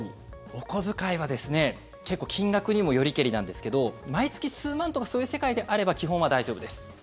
お小遣いはですね、結構金額にもよりけりなんですけど毎月数万とかそういう世界であれば基本は大丈夫です。